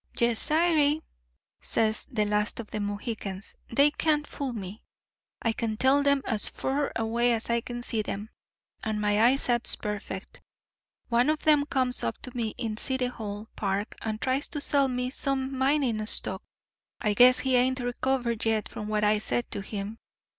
"'Yes, siree,' says the last of the Mohicans, 'they can't fool me. I can tell them as fur away as I can see 'em, and my eyesight's perfect. One of 'em comes up to me in City Hall park and tries to sell me some mining stock. I guess he ain't recovered yet from what I said to him.